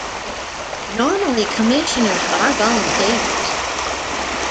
Normally, commissioners are volunteers.